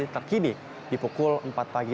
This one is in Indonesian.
terkini di pukul empat pagi